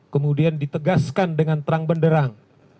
kemudian ditegaskan dengan terang benderang